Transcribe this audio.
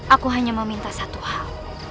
aku hanya meminta satu hal